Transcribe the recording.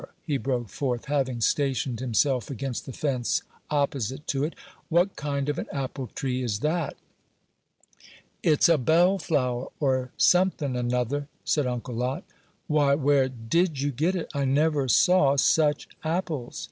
he broke forth, having stationed himself against the fence opposite to it; "what kind of an apple tree is that?" "It's a bellflower, or somethin' another," said Uncle Lot. "Why, where did you get it? I never saw such apples!"